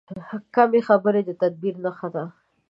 کمې خبرې، د تدبیر نښه ده.